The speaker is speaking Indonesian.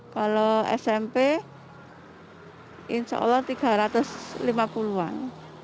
kalau smp insya allah tiga ratus lima puluh an